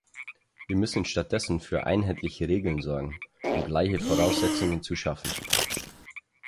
Wir müssen stattdessen für einheitliche Regeln sorgen, um gleiche Voraussetzungen zu schaffen.